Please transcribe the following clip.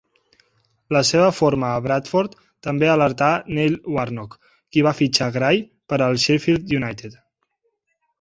La seva forma a Bradford també alertà Neil Warnock, qui va fitxar Gray per al Sheffield United.